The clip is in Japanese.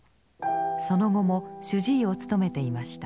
その後も主治医を務めていました。